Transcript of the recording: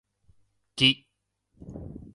木